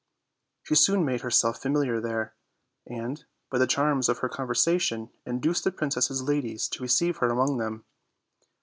She soon made herself familiar there, and, by the charms of her conversation, induced the princess' ladies to receive her among them.